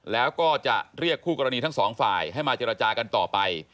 แล้วก็จะเรียกคู่กรณีทั้งสองฝ่ายให้มาเจรจากันต่อไป